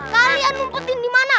kalian ngumpetin dimana